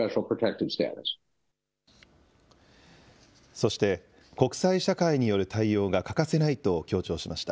そして、国際社会による対応が欠かせないと強調しました。